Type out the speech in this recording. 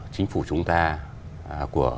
chính phủ chúng ta của